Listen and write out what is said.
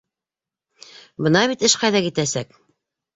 Бына бит эш ҡайҙа китәсәк!